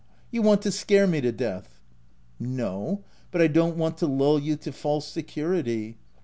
you want to scare me to death." " No ; but I don't want to lull 'you to false security.